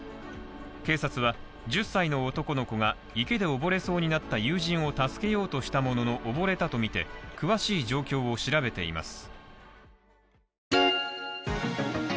警察は１０歳の男の子が池で溺れそうになった友人を助けようとしたものの溺れたとみて詳しい状況を調べています。